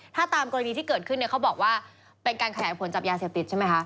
ถ้าตามกรณีที่เกิดขึ้นเนี่ยเขาบอกว่าเป็นการขยายผลจับยาเสพติดใช่ไหมคะ